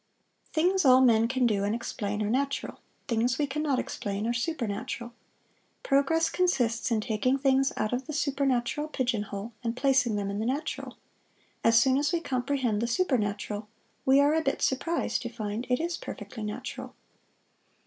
Things all men can do and explain are natural; things we can not explain are "supernatural." Progress consists in taking things out of the supernatural pigeonhole and placing them in the natural. As soon as we comprehend the supernatural, we are a bit surprised to find it is perfectly natural.